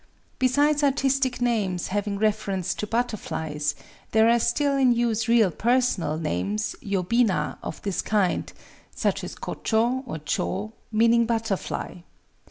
Besides artistic names having reference to butterflies, there are still in use real personal names (yobina) of this kind,—such as Kochō, or Chō, meaning "Butterfly."